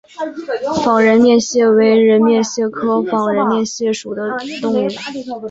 仿人面蟹为人面蟹科仿人面蟹属的动物。